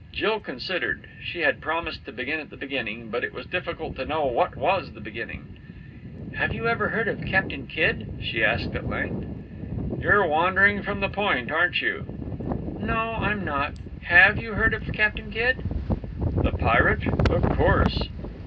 Jill considered. She had promised to begin at the beginning, but it was difficult to know what was the beginning. "Have you ever heard of Captain Kidd?" she asked at length. "You're wandering from the point, aren't you?" "No, I'm not. Have you heard of Captain Kidd?" "The pirate? Of course."